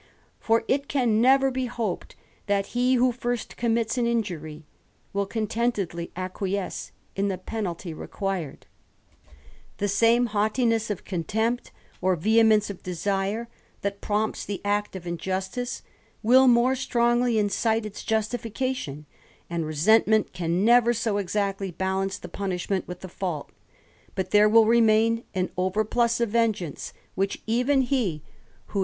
For, it can never be hoped that he who first commits an injury will contentedly acquiesce in the penalty required : the same haughtiness of contempt, or vehemence of desire, that prompts the act of injustice, will more strongly incite its justification; and resentment can never so exactly balance the punishment with the feult, but there will remain an overplus of vengeance, which even he who THE RAMBLER.